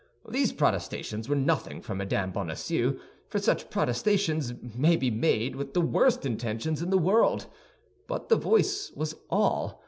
These protestations were nothing for Mme. Bonacieux, for such protestations may be made with the worst intentions in the world; but the voice was all.